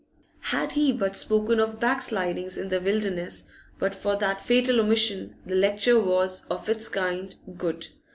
Had he but spoken of backslidings in the wilderness! But for that fatal omission, the lecture was, of its kind, good.